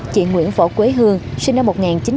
chị nguyễn võ quế hương sinh năm một nghìn chín trăm tám mươi năm